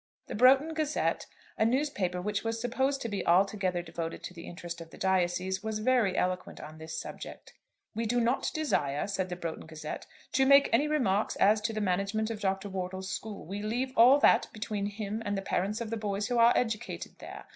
The 'Broughton Gazette,' a newspaper which was supposed to be altogether devoted to the interest of the diocese, was very eloquent on this subject. "We do not desire," said the 'Broughton Gazette,' "to make any remarks as to the management of Dr. Wortle's school. We leave all that between him and the parents of the boys who are educated there.